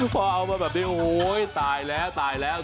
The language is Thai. พอเอามาแบบนี้โอ้โหตายแล้วตายแล้ว